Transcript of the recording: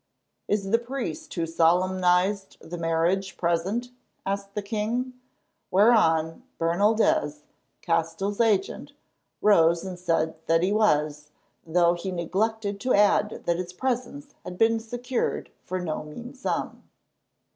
"Is the priest who solemnised the marriage present?" asked the king; whereon Bernaldez, Castell's agent, rose and said that he was, though he neglected to add that his presence had been secured for no mean sum.